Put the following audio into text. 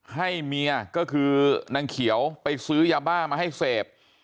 ให้เมียก็คือนางเขียวไปซื้อยาบ้ามาให้เสพ